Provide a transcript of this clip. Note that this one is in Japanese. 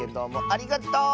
ありがとう！